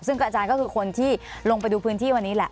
ซึ่งอาจารย์ก็คือคนที่ลงไปดูพื้นที่วันนี้แหละ